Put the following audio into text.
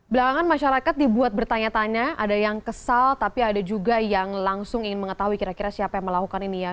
belakangan masyarakat dibuat bertanya tanya ada yang kesal tapi ada juga yang langsung ingin mengetahui kira kira siapa yang melakukan ini ya